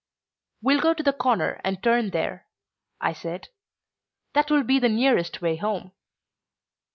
"We'll go to the corner and turn there," I said. "That will be the nearest way home."